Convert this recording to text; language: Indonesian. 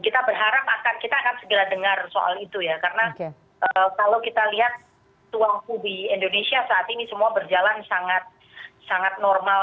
kita berharap kita akan segera dengar soal itu ya karena kalau kita lihat tuangku di indonesia saat ini semua berjalan sangat normal